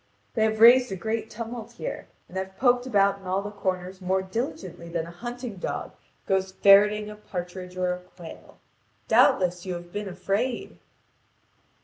They have raised a great tumult here, and have poked about in all the corners more diligently than a hunting dog goes ferreting a partridge or a quail. Doubtless you have been afraid."